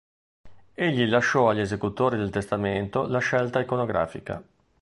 Egli lasciò agli esecutori del testamento la scelta iconografica.